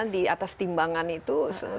di atas timbangan itu